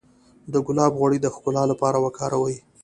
د ګلاب غوړي د ښکلا لپاره وکاروئ